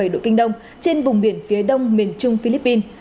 một trăm hai mươi năm bảy đội kinh đông trên vùng biển phía đông miền trung philippines